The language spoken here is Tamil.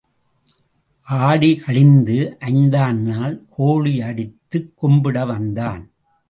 ஆடி கழிந்த ஐந்தாம் நாள் கோழி அடித்துக் கும்பிட வந்தான்.